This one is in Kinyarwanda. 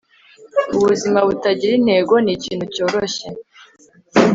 ubuzima butagira intego ni ikintu cyoroshye